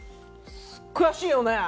悔しいよね。